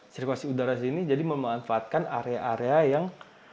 sirkulasi udara di sini jadi memanfaatkan area area yang